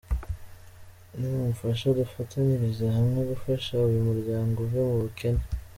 Nimumfashe dufatanyirize hamwe gufasha uyu muryango uve mu bukene!!”.